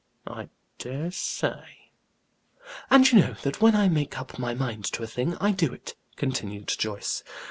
"I dare say!" "And you know that when I make up my mind to a thing I do it," continued Joyce.